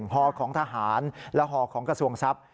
ฮของทหารและฮอของกระทรวงทรัพย์